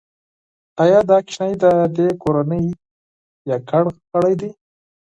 ایا دا ماشوم د دې کورنۍ یوازینی غړی دی؟